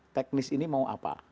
teknis ini mau apa